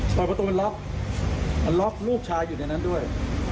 เปิดประตูมันล็อกล็อกลูกชายอยู่ในนั้นด้วย